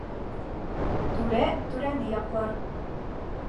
Түрә түрәне яҡлар.